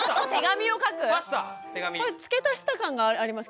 これ付け足した感があります。